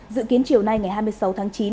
dự kiến chiều nay ngày hai mươi sáu tháng chín